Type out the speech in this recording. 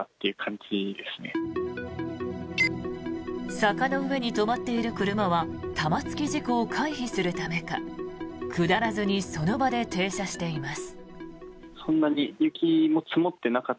坂の上に止まっている車は玉突き事故を回避するためか下らずにその場で停車しています。